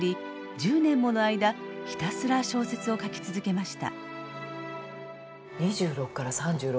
１０年もの間ひたすら小説を書き続けました。